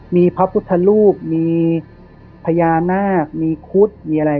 มีพระพุทธรูปมีพญานาคมีคุดมีอะไร